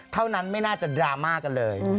เท่านั้นไม่น่าจะดราม่ากันเลย